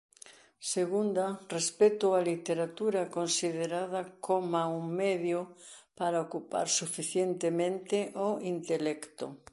Segunda, respecto á literatura considerada coma un medio para ocupar suficientemente o intelecto.